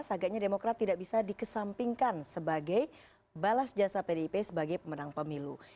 sagaknya demokrat tidak bisa dikesampingkan sebagai balas jasa pdip sebagai pemenang pemilu